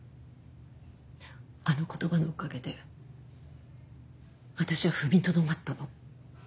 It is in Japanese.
あの言葉のおかげで私は踏みとどまったの。